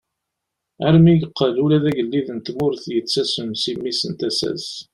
Armi yeqqel ula d agellid n tmurt yettasem si mmi n tasa-s.